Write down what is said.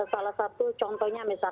salah satu contohnya misalnya